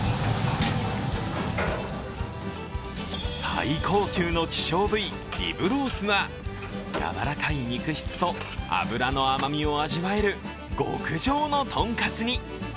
最高級の希少部位、リブロースはやわらかい肉質と脂の甘みを味わえる極上のとんかつに。